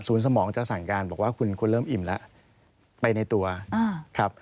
สมองจะสั่งการบอกว่าคุณเริ่มอิ่มแล้วไปในตัวครับ